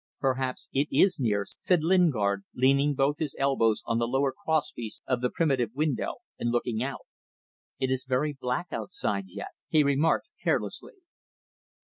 "Perhaps it is near," said Lingard, leaning both his elbows on the lower cross piece of the primitive window and looking out. "It is very black outside yet," he remarked carelessly.